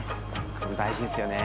これ大事ですよね。